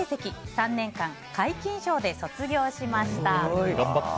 ３年間、皆勤賞で卒業しました。